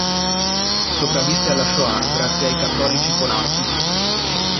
Sopravvisse alla Shoah grazie ai cattolici polacchi.